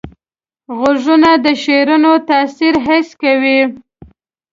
غوږونه د شعرونو تاثیر حس کوي